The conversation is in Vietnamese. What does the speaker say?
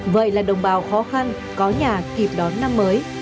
vậy là đồng bào khó khăn có nhà kịp đón năm mới